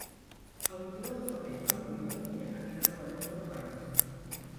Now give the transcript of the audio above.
El vint-i-nou de febrer en Bru i na Dúnia aniran a la Llosa de Ranes.